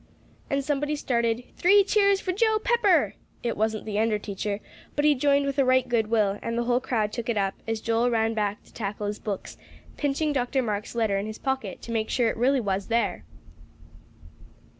And somebody started, "Three cheers for Joe Pepper!" It wasn't the under teacher, but he joined with a right good will; and the whole crowd took it up, as Joel ran back to tackle his books, pinching Dr. Marks' letter in his pocket, to make sure it really was there!